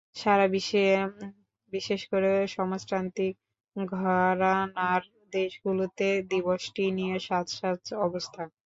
সারা বিশ্বে, বিশেষ করে সমাজতান্ত্রিক ঘরানার দেশগুলোতে দিবসটি নিয়ে সাজ সাজ অবস্থা।